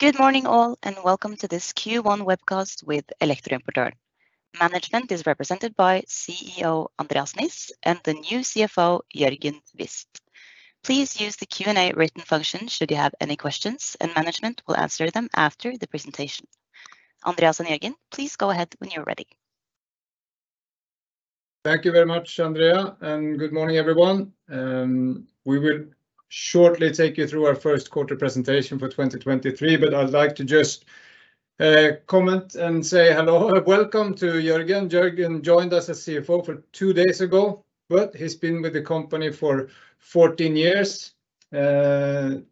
Good morning, all, and welcome to this Q1 Webcast with Elektroimportøren. Management is represented by CEO Andreas Niss and the new CFO Jørgen Wist. Please use the Q&A written function should you have any questions, and management will answer them after the presentation. Andreas and Jørgen, please go ahead when you're ready. Thank you very much, Andrea. Good morning, everyone. We will shortly take you through our first quarter presentation for 2023. I'd like to just comment and say hello. Welcome to Jørgen. Jørgen joined us as CFO for two days ago, but he's been with the company for 14 years. Jørgen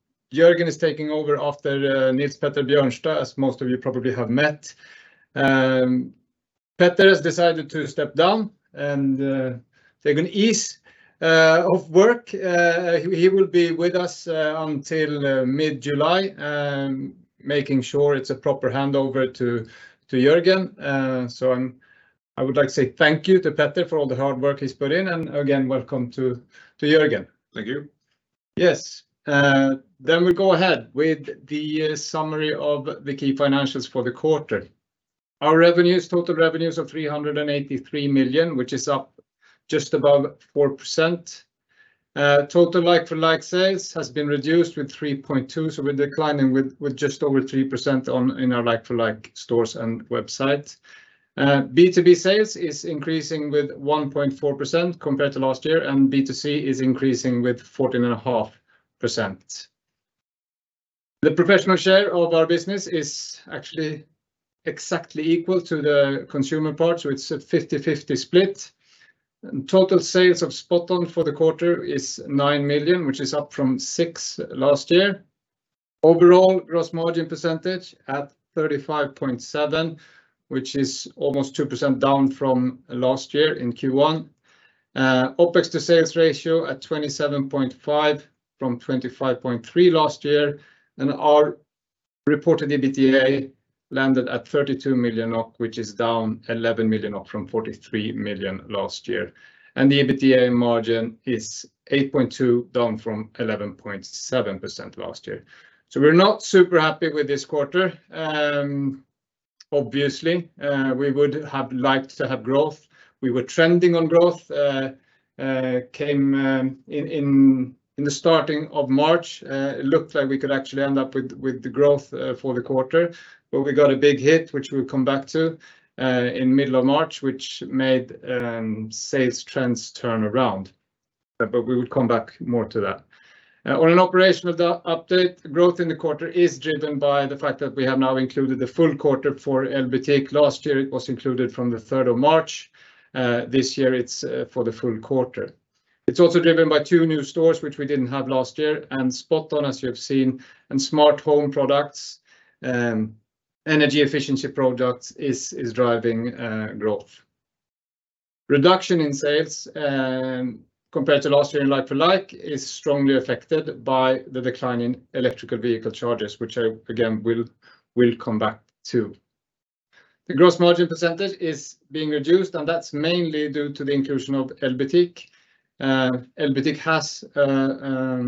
is taking over after Nils Petter Bjørnstad, as most of you probably have met. Petter has decided to step down and take an ease of work. He will be with us until mid-July, making sure it's a proper handover to Jørgen. I would like to say thank you to Petter for all the hard work he's put in, and again, welcome to Jørgen. Thank you. Yes. We go ahead with the summary of the key financials for the quarter. Our revenues, total revenues of 383 million, which is up just above 4%. Total like-for-like sales has been reduced with 3.2, so we're declining with just over 3% on, in our like-for-like stores and websites. B2B sales is increasing with 1.4% compared to last year, and B2C is increasing with 14.5%. The professional share of our business is actually exactly equal to the consumer part, so it's a 50/50 split. Total sales of SpotOn for the quarter is 9 million, which is up from 6 last year. Overall gross margin percentage at 35.7%, which is almost 2% down from last year in Q1. OPEX to sales ratio at 27.5% from 25.3% last year. Our reported EBITDA landed at 32 million NOK, which is down 11 million NOK from 43 million last year. The EBITDA margin is 8.2%, down from 11.7% last year. We're not super happy with this quarter. Obviously, we would have liked to have growth. We were trending on growth, came in the starting of March, it looked like we could actually end up with the growth for the quarter. We got a big hit, which we'll come back to, in middle of March, which made sales trends turn around. We would come back more to that. On an operational up-update, growth in the quarter is driven by the fact that we have now included the full quarter for Elbutik. Last year, it was included from the third of March. This year, it's for the full quarter. It's also driven by two new stores which we didn't have last year, and SpotOn, as you have seen, and smart home products, energy efficiency products is driving growth. Reduction in sales compared to last year in like-for-like is strongly affected by the decline in electrical vehicle charges, which I again will come back to. The gross margin percentage is being reduced, and that's mainly due to the inclusion of Elbutik. Elbutik has a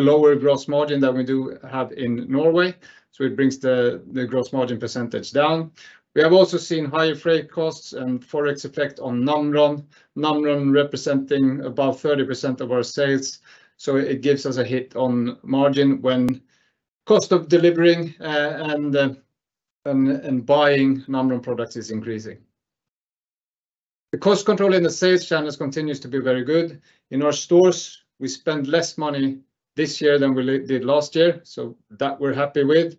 lower gross margin than we do have in Norway, so it brings the gross margin percentage down. We have also seen higher freight costs and ForEx effect on Namron. Namron representing about 30% of our sales. It gives us a hit on margin when cost of delivering, and buying Namron products is increasing. The cost control in the sales channels continues to be very good. In our stores, we spend less money this year than we did last year, so that we're happy with.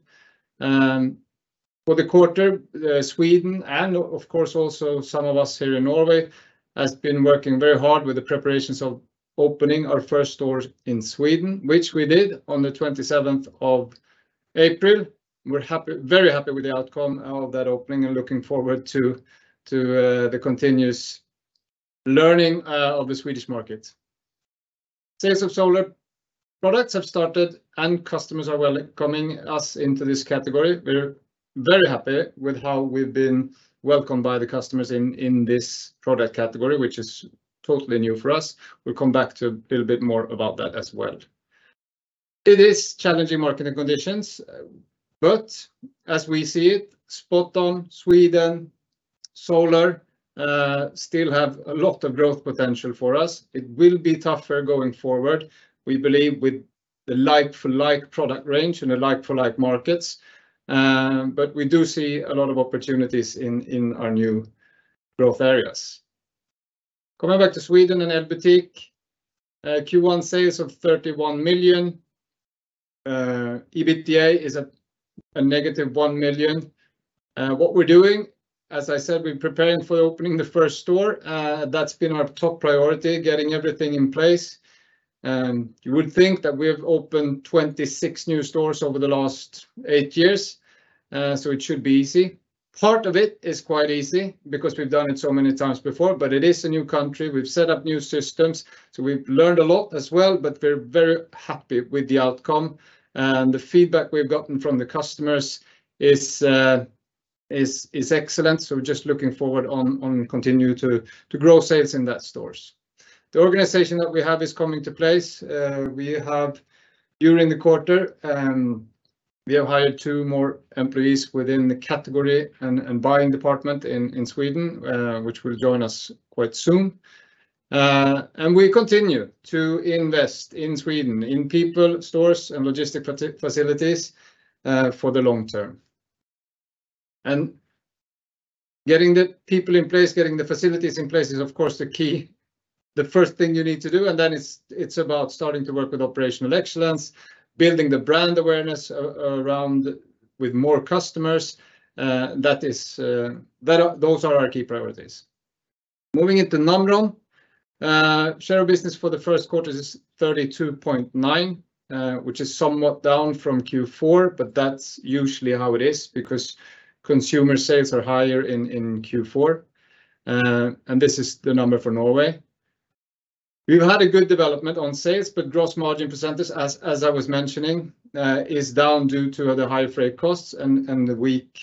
For the quarter, Sweden, and of course, also some of us here in Norway, has been working very hard with the preparations of opening our first stores in Sweden, which we did on the 27th of April. We're happy, very happy with the outcome of that opening and looking forward to the continuous learning of the Swedish market. Sales of solar products have started, and customers are welcoming us into this category. We're very happy with how we've been welcomed by the customers in this product category, which is totally new for us. We'll come back to a little bit more about that as well. It is challenging market conditions, but as we see it, SpotOn, Sweden, solar, still have a lot of growth potential for us. It will be tougher going forward. We believe with the like-for-like product range and the like-for-like markets, but we do see a lot of opportunities in our new growth areas. Coming back to Sweden and Elbutik, Q1 sales of 31 million, EBITDA is a negative 1 million. What we're doing, as I said, we're preparing for opening the first store. That's been our top priority, getting everything in place. You would think that we have opened 26 new stores over the last eight years, it should be easy. Part of it is quite easy because we've done it so many times before, it is a new country. We've set up new systems, we've learned a lot as well, we're very happy with the outcome. The feedback we've gotten from the customers is excellent. We're just looking forward on continue to grow sales in that stores. The organization that we have is coming to place. We have, during the quarter, we have hired two more employees within the category and buying department in Sweden, which will join us quite soon. We continue to invest in Sweden in people, stores, and logistic facilities for the long term Getting the people in place, getting the facilities in place is of course, the key. The first thing you need to do, and then it's about starting to work with operational excellence, building the brand awareness around with more customers. Those are our key priorities. Moving into Namron. Share of business for the first quarter is 32.9%, which is somewhat down from Q4, but that's usually how it is because consumer sales are higher in Q4. This is the number for Norway. We've had a good development on sales, but gross margin percentage as I was mentioning is down due to the high freight costs and the weak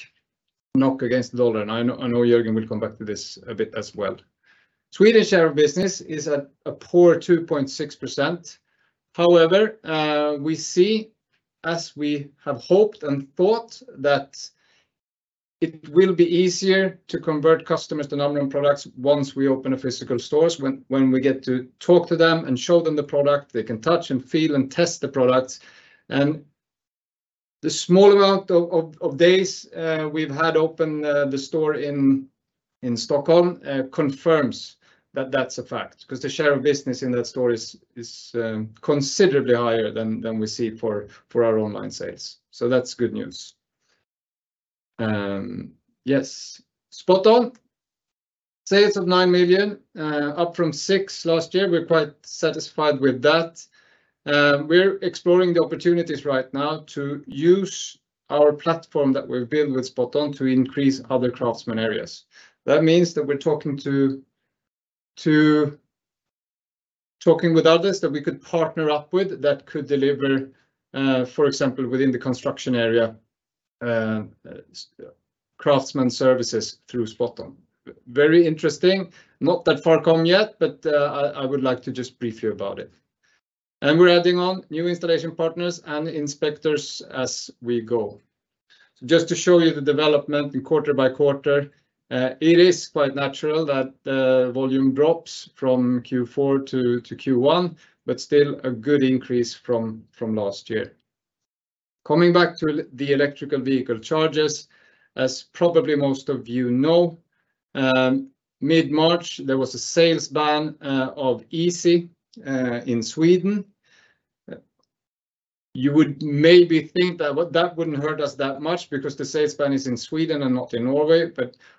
NOK against the USD. I know Jørgen will come back to this a bit as well. Swedish share of business is at a poor 2.6%. We see as we have hoped and thought that it will be easier to convert customers to Namron products once we open physical stores, when we get to talk to them and show them the product, they can touch and feel and test the products. The small amount of days we've had open the store in Stockholm confirms that that's a fact 'cause the share of business in that store is considerably higher than we see for our online sales. That's good news. Yes, SpotOn. Sales of 9 million up from 6 million last year. We're quite satisfied with that. We're exploring the opportunities right now to use our platform that we've built with SpotOn to increase other craftsman areas. That means that we're talking with others that we could partner up with that could deliver, for example, within the construction area, craftsman services through SpotOn. Very interesting. Not that far come yet, I would like to just brief you about it. We're adding on new installation partners and inspectors as we go. Just to show you the development in quarter by quarter, it is quite natural that the volume drops from Q4 to Q1, but still a good increase from last year. Coming back to the electrical vehicle chargers, as probably most of you know, mid-March there was a sales ban of Easee in Sweden. You would maybe think that wouldn't hurt us that much because the sales ban is in Sweden and not in Norway.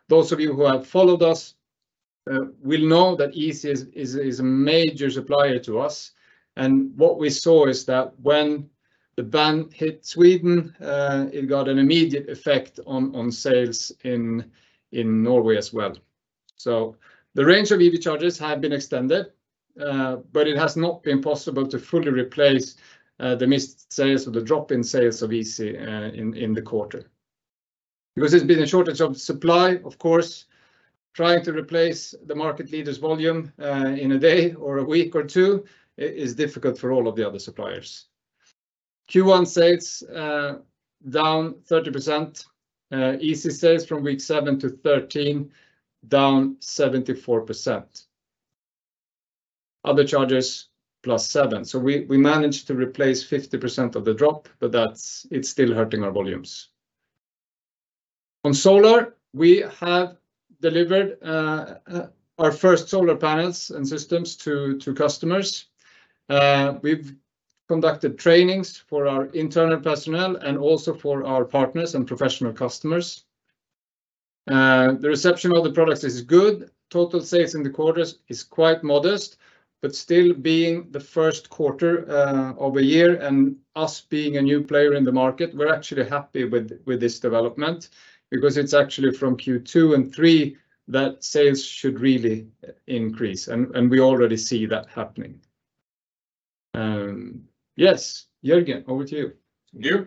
Those of you who have followed us will know that Easee is a major supplier to us. What we saw is that when the ban hit Sweden, it got an immediate effect on sales in Norway as well. The range of EV chargers have been extended, but it has not been possible to fully replace the missed sales or the drop in sales of Easee in the quarter. Because there's been a shortage of supply, of course, trying to replace the market leader's volume in a day or a week or two is difficult for all of the other suppliers. Q1 sales, down 30%. Easee sales from week seven to 13 down 74%. Other chargers, plus 7%. We managed to replace 50% of the drop, but that's, it's still hurting our volumes. On solar, we have delivered, our first solar panels and systems to customers. We've conducted trainings for our internal personnel and also for our partners and professional customers. The reception of the products is good. Total sales in the quarter is quite modest, but still being the first quarter, of a year, and us being a new player in the market, we're actually happy with this development because it's actually from Q2 and three that sales should really increase, and we already see that happening. Yes. Jørgen, over to you. Thank you.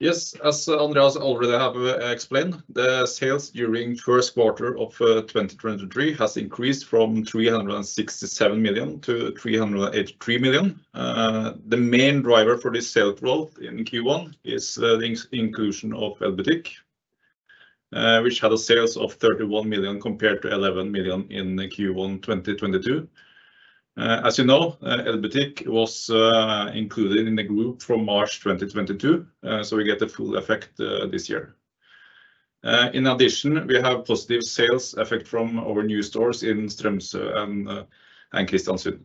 Yes, as Andreas already has explained, the sales during first quarter of 2023 has increased from 367 million to 383 million. The main driver for this sales growth in Q1 is the inclusion of Elbutik, which had a sales of 31 million compared to 11 million in Q1 2022. As you know, Elbutik was included in the group from March 2022, so we get the full effect this year. In addition, we have positive sales effect from our new stores in Strømsø and Kristiansund.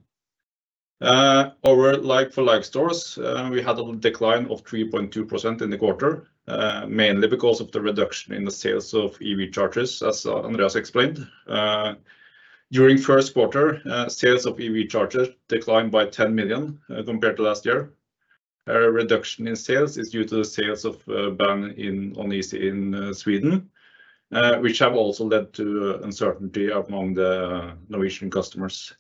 Our like-for-like stores, we had a decline of 3.2% in the quarter, mainly because of the reduction in the sales of EV chargers, as Andreas explained. During first quarter, sales of EV chargers declined by 10 million compared to last year. Reduction in sales is due to the sales ban on Easee in Sweden, which have also led to uncertainty among the Norwegian customers.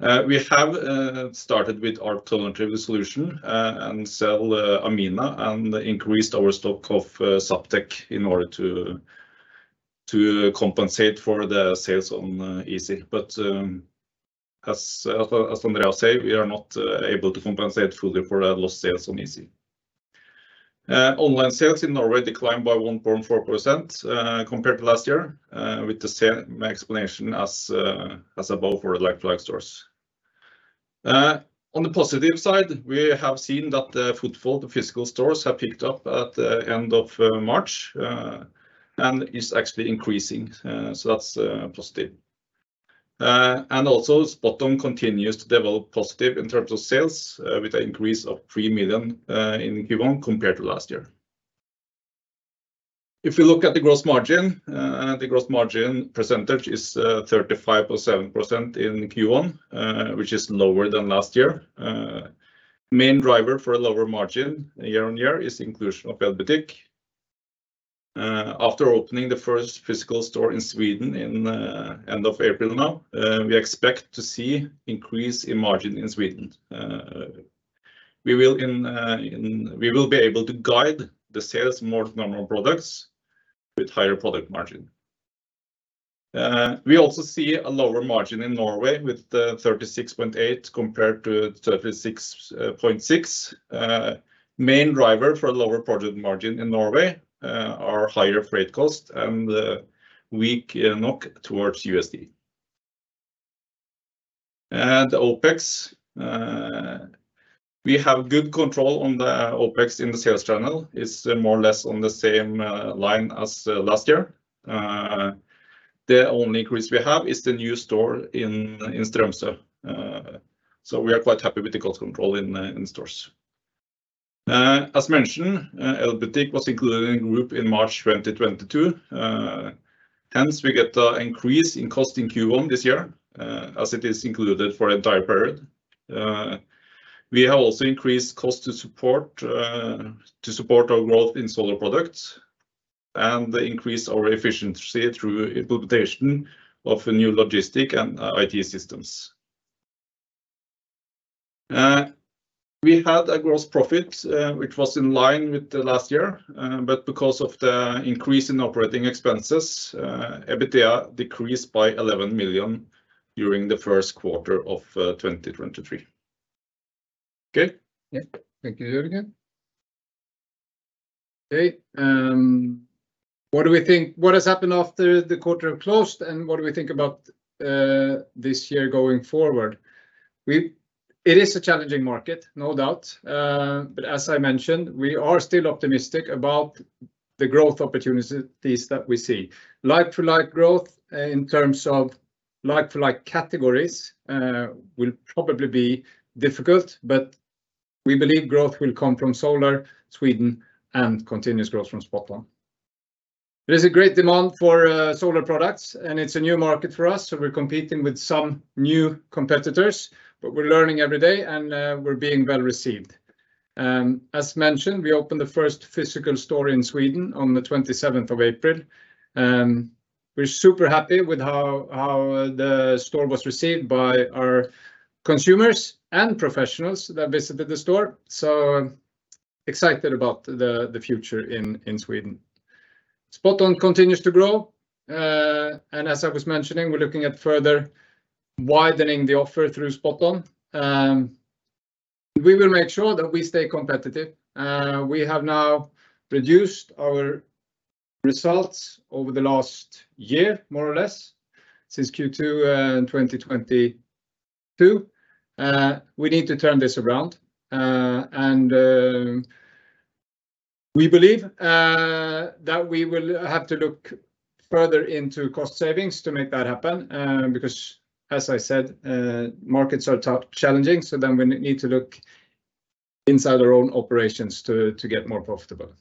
We have started with our alternative solution and sell Amina and increased our stock of Zaptec in order to compensate for the sales on Easee. As Andreas say, we are not able to compensate fully for that lost sales on Easee. Online sales in Norway declined by 1.4% compared to last year, with the same explanation as above for like-for-like stores. On the positive side, we have seen that the footfall to physical stores have picked up at the end of March and is actually increasing. That's positive. Also SpotOn continues to develop positive in terms of sales with the increase of 3 million in Q1 compared to last year. If you look at the gross margin, the gross margin percentage is 35.7% in Q1, which is lower than last year. Main driver for a lower margin year on year is inclusion of Elbutik. After opening the first physical store in Sweden in end of April now, we expect to see increase in margin in Sweden. We will be able to guide the sales more Namron products with higher product margin. We also see a lower margin in Norway with the 36.8% compared to 36.6%. Main driver for lower product margin in Norway are higher freight cost and the weak NOK towards USD. OPEX, we have good control on the OPEX in the sales channel. It's more or less on the same line as last year. The only increase we have is the new store in Tromsø. We are quite happy with the cost control in stores. As mentioned, Elbutik was included in group in March 2022. Hence we get a increase in cost in Q1 this year as it is included for the entire period. We have also increased cost to support to support our growth in solar products and increase our efficiency through implementation of a new logistic and IT systems. We had a gross profit, which was in line with the last year, but because of the increase in operating expenses, EBITDA decreased by 11 million during the first quarter of 2023. Yeah. Thank you, Jørgen. Okay, what do we think What has happened after the quarter closed, and what do we think about this year going forward? It is a challenging market, no doubt. As I mentioned, we are still optimistic about the growth opportunities that we see. Like-for-like growth in terms of like-for-like categories will probably be difficult, but we believe growth will come from solar, Sweden, and continuous growth from SpotOn. There is a great demand for solar products, and it's a new market for us, so we're competing with some new competitors. We're learning every day, and we're being well-received. As mentioned, we opened the first physical store in Sweden on the 27th of April. We're super happy with how the store was received by our consumers and professionals that visited the store, so excited about the future in Sweden. Spot-On continues to grow. As I was mentioning, we're looking at further widening the offer through Spot-On. We will make sure that we stay competitive. We have now reduced our results over the last year, more or less, since Q2 in 2022. We need to turn this around. We believe that we will have to look further into cost savings to make that happen, because as I said, markets are tough, challenging, so then we need to look inside our own operations to get more profitable.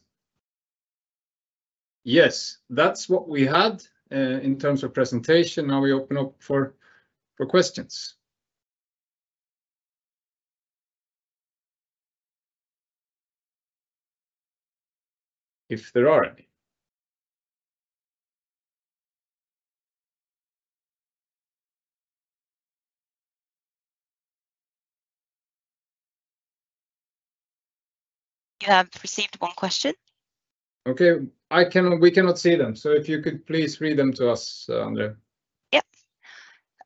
Yes, that's what we had in terms of presentation. Now we open up for questions. If there are any. You have received one question. Okay. I cannot, we cannot see them. If you could please read them to us, Andrea. Yep.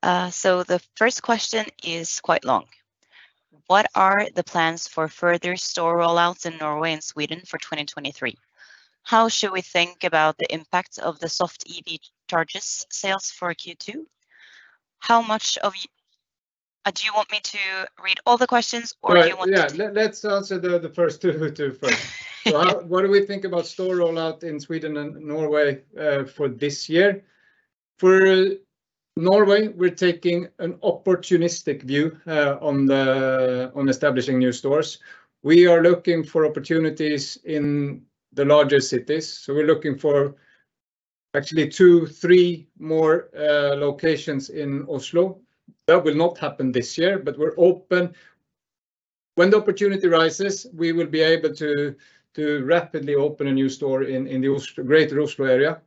The first question is quite long. What are the plans for further store rollouts in Norway and Sweden for 2023? How should we think about the impact of the soft EV chargers sales for Q2? How much of... Do you want me to read all the questions, or you want me to- Yeah, let's answer the first two first. How, what do we think about store rollout in Sweden and Norway for this year? For Norway, we're taking an opportunistic view on establishing new stores. We are looking for opportunities in the larger cities. We're looking for actually two, three more locations in Oslo. That will not happen this year, but we're open. When the opportunity rises, we will be able to rapidly open a new store in the Greater Oslo area.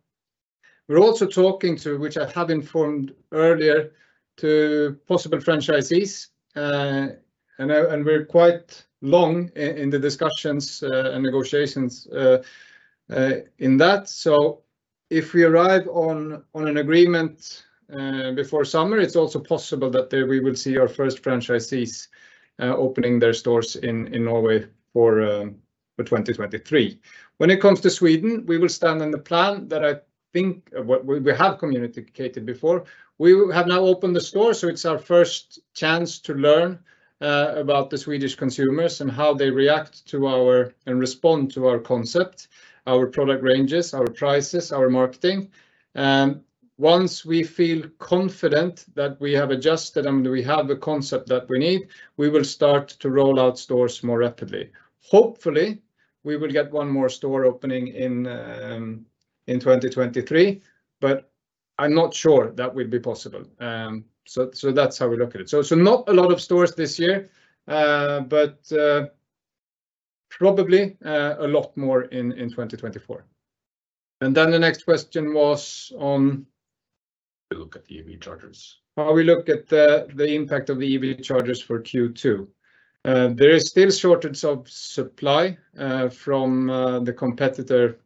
We're also talking to, which I have informed earlier, possible franchisees. We're quite long in the discussions and negotiations in that. If we arrive on an agreement before summer, it's also possible that we will see our first franchisees opening their stores in Norway for 2023. When it comes to Sweden, we will stand on the plan that I think... well, we have communicated before. We have now opened a store, so it's our first chance to learn about the Swedish consumers and how they react to our, and respond to our concept, our product ranges, our prices, our marketing. Once we feel confident that we have adjusted and we have the concept that we need, we will start to roll out stores more rapidly. Hopefully, we will get one more store opening in 2023, but I'm not sure that will be possible. That's how we look at it. Not a lot of stores this year, but, probably, a lot more in 2024. The next question was on-. How we look at the EV chargers. he impact of the EV chargers for Q2. There is still shortage of supply from the competitor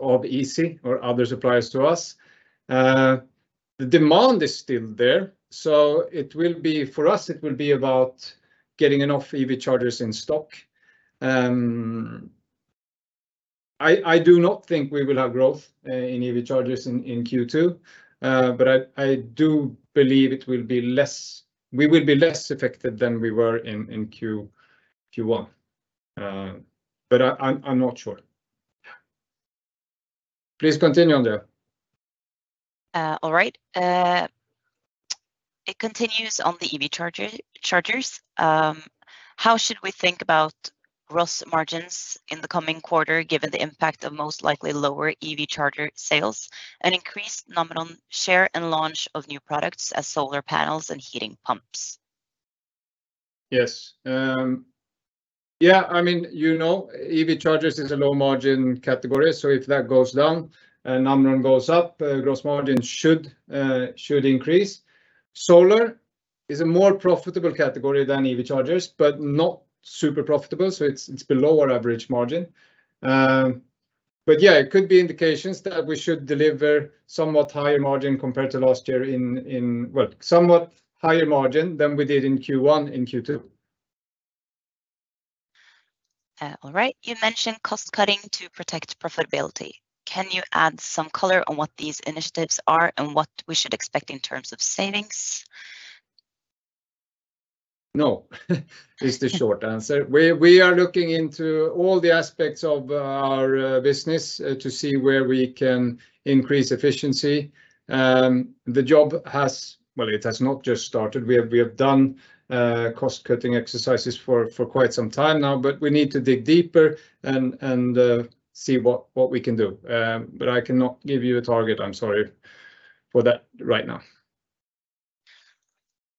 of Easee or other suppliers to us. The demand is still there, so for us, it will be about getting enough EV chargers in stock. I do not think we will have growth in EV chargers in Q2, but I do believe it will be less, we will be less affected than we were in Q1. But I am not sure. Please continue on there. All right. It continues on the EV chargers. How should we think about gross margins in the coming quarter given the impact of most likely lower EV charger sales and increased Namron share and launch of new products as solar panels and heating pumps? Yes. Yeah, I mean, you know, EV chargers is a low-margin category, so if that goes down and Namron goes up, gross margin should increase. Solar is a more profitable category than EV chargers, but not super profitable, so it's below our average margin. Yeah, it could be indications that we should deliver somewhat higher margin compared to last year, well, somewhat higher margin than we did in Q1, in Q2. All right. You mentioned cost cutting to protect profitability. Can you add some color on what these initiatives are and what we should expect in terms of savings? No is the short answer. We are looking into all the aspects of our business to see where we can increase efficiency. Well, it has not just started. We have done cost cutting exercises for quite some time now, but we need to dig deeper and see what we can do. I cannot give you a target. I'm sorry for that right now.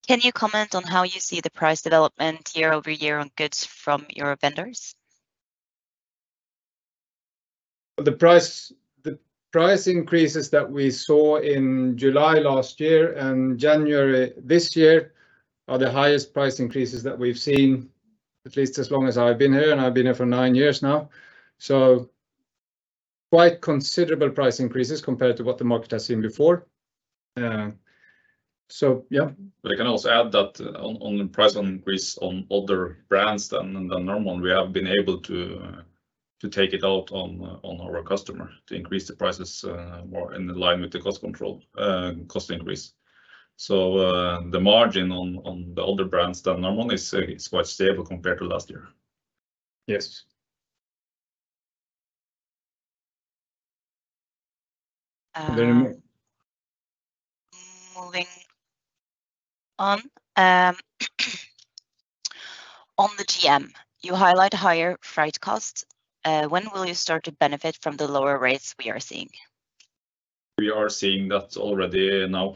Can you comment on how you see the price development year-over-year on goods from your vendors? The price increases that we saw in July last year and January this year are the highest price increases that we've seen at least as long as I've been here, and I've been here for nine years now. Quite considerable price increases compared to what the market has seen before. Yeah. I can also add that on the price increase on other brands than the Namron, we have been able to take it out on our customer, to increase the prices more in line with the cost control, cost increase. The margin on the other brands than Namron is quite stable compared to last year. Yes. Are there any more? Moving on. On the GM, you highlight higher freight costs. When will you start to benefit from the lower rates we are seeing? We are seeing that already now.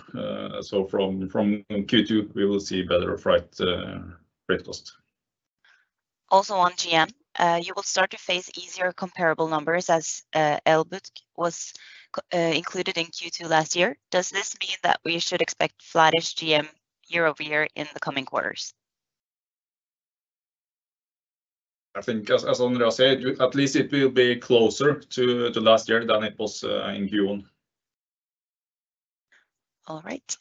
From Q2 we will see better freight cost. Also, on GM, you will start to face easier comparable numbers as Elbutik was included in Q2 last year. Does this mean that we should expect flattish GM year-over-year in the coming quarters? I think as Anders said, at least it will be closer to last year than it was in Q1. All right.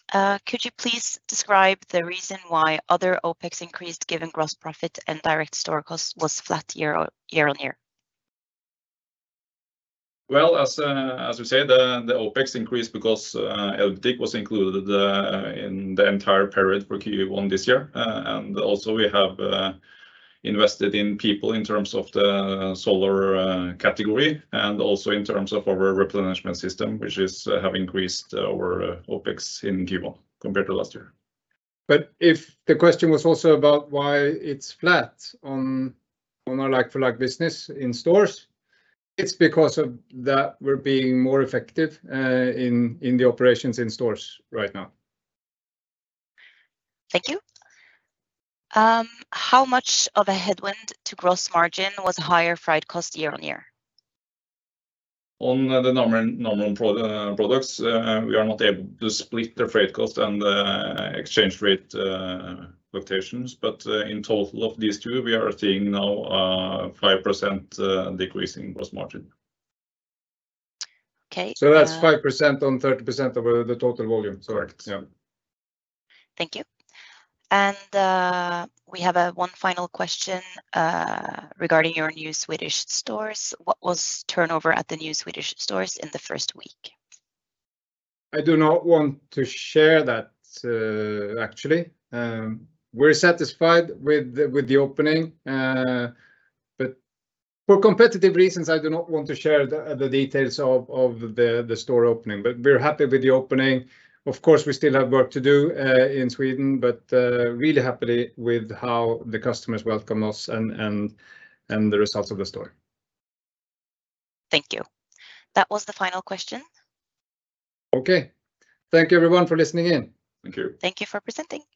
Could you please describe the reason why other OPEX increased given gross profit and direct store cost was flat year-on-year? Well, as we said, the OPEX increased because Elbutik was included in the entire period for Q1 this year. Also we have invested in people in terms of the solar category and also in terms of our replenishment system, which is have increased our OPEX in Q1 compared to last year. If the question was also about why it's flat on our like-for-like business in stores, it's because of that we're being more effective, in the operations in stores right now. Thank you. How much of a headwind to gross margin was higher freight cost year-over-year? On the Namronproducts, we are not able to split the freight cost and exchange rate fluctuations. In total of these two, we are seeing now 5% decrease in gross margin. Okay. that's 5% on 30% of the total volume. Correct. Yeah. Thank you. We have one final question regarding your new Swedish stores. What was turnover at the new Swedish stores in the first week? I do not want to share that, actually. We're satisfied with the opening, but for competitive reasons, I do not want to share the details of the store opening. We're happy with the opening. Of course, we still have work to do in Sweden, but really happy with how the customers welcome us and the results of the store. Thank you. That was the final question. Okay. Thank you everyone for listening in. Thank you. Thank you for presenting.